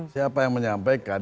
siapa yang menyampaikan